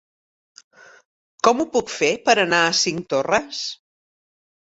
Com ho puc fer per anar a Cinctorres?